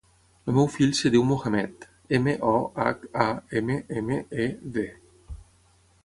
El meu fill es diu Mohammed: ema, o, hac, a, ema, ema, e, de.